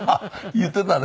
言ってたね。